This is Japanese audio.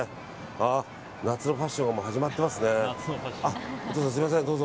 夏のファッションが始まってますね。